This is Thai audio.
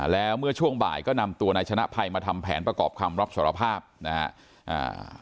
แล้วเมื่อช่วงบ่ายก็นำตัวนายชนะภัยมาทำแผนประกอบคำรับสารภาพนะฮะอ่า